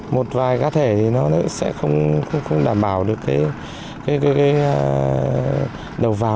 một vài cá thể thì nó sẽ không đảm bảo được cái đầu vào